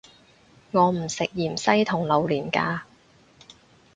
我唔食芫茜同榴連架